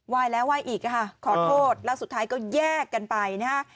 ยแล้วไหว้อีกค่ะขอโทษแล้วสุดท้ายก็แยกกันไปนะฮะ